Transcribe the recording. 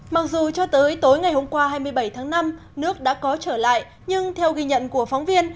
mặc dù cho tới tối ngày hôm qua hai mươi bảy tháng năm nước đã có trở lại nhưng theo ghi nhận của phóng viên